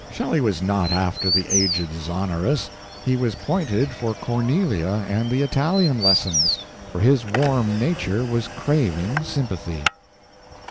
Shelley was not after the aged Zonoras; he was pointed for Cornelia and the Italian lessons, for his warm nature was craving sympathy.